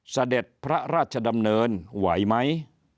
เสด็จพระราชดำเนินไหวไหม